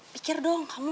pikir dong kamu